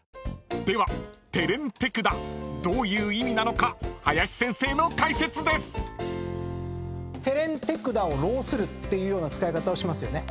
［では「手練手管」どういう意味なのか林先生の解説です］ていうような使い方をしますよね。